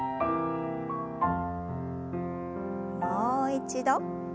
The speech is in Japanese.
もう一度。